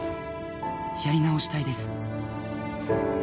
「やり直したいです」